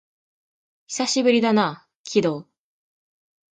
久しぶりだな、鬼道